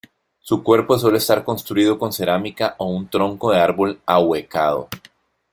Su cuerpo suele estar construido con cerámica o un tronco de árbol ahuecado.